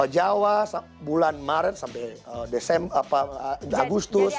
jawa bulan maret sampai agustus